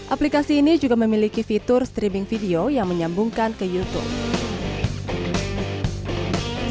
aplikasi ini juga memiliki fitur streaming video yang menyambungkan ke youtube